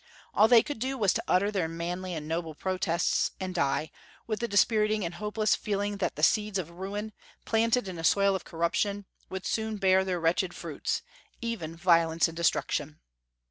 All they could do was to utter their manly and noble protests, and die, with the dispiriting and hopeless feeling that the seeds of ruin, planted in a soil of corruption, would soon bear their wretched fruits, even violence and destruction.